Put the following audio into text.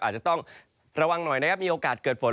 อาจจะต้องระวังหน่อยนะครับมีโอกาสเกิดฝน